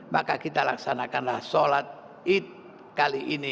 maka kita laksanakan sholat idul fitri kali ini